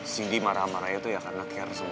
cindy marah sama raya itu ya karena care sama gue